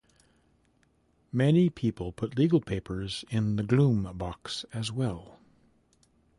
Many people put legal papers in the gloom box as well.